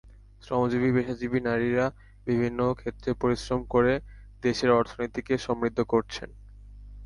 শ্রমজীবী পেশাজীবী নারীরা বিভিন্ন ক্ষেত্রে পরিশ্রম করে দেশের অর্থনীতিকে সমৃদ্ধ করছেন।